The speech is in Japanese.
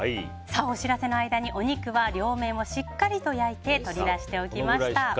お知らせの間にお肉は両面をしっかりと焼いて取り出しておきました。